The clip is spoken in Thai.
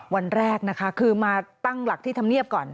วันแรกนะคะคือมาตั้งหลักที่ธรรมเนียบก่อน